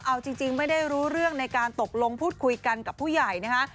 เอาจริงไม่ได้รู้เรื่องในการตกลงพูดคุยกันกับผู้ใหญ่นะคะ